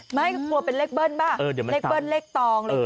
ไม่กลัวเป็นเลขเบิ้ลบ้างเลขเบิ้ลเลขตองอะไรอย่างนี้